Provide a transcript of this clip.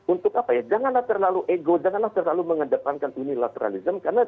untuk janganlah terlalu ego janganlah terlalu menghadapankan dunia lateralisme